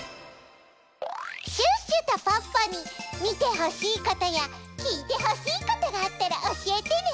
シュッシュとポッポにみてほしいことやきいてほしいことがあったらおしえてね！